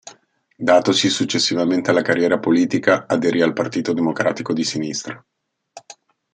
Datosi successivamente alla carriera politica, aderì al partito democratico di Sinistra.